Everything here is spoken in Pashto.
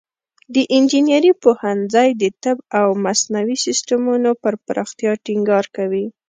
د انجینري پوهنځی د طبیعي او مصنوعي سیستمونو پر پراختیا ټینګار کوي.